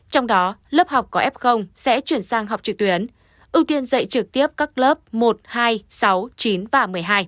trong đó lớp học có f sẽ chuyển sang học trực tuyến ưu tiên dạy trực tiếp các lớp một hai sáu chín và một mươi hai